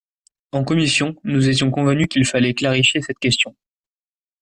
En commission, nous étions convenus qu’il fallait clarifier cette question.